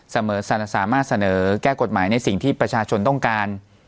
สามารถเสนอแก้กฎหมายในสิ่งที่ประชาชนต้องการ